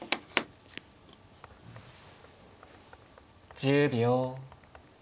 １０秒。